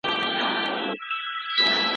د صادراتو اړتيا خلګ پرمختګ ته اړ کوي.